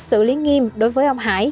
xử lý nghiêm đối với ông hải